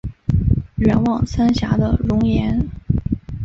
远望三峡的容颜